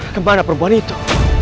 kemana perempuan itu